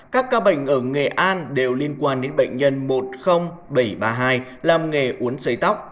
các ca bệnh ở nghệ an đều liên quan đến bệnh nhân một mươi nghìn bảy trăm ba mươi hai làm nghề uống giấy tóc